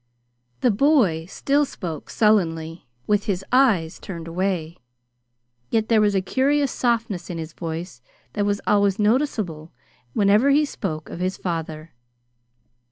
The boy still spoke sullenly, with his eyes turned away. Yet there was a curious softness in his voice that was always noticeable whenever he spoke of his father.